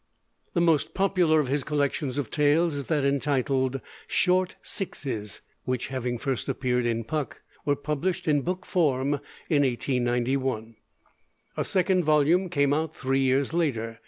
The most popular of his collections of tales is that entitled 'Short Sixes,' which, having first appeared in Puck, were published in book form in 1891. A second volume came out three years later.